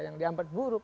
yang dianggap buruk